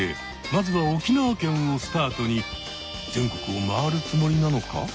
まずは沖縄県をスタートに全国を回るつもりなのか？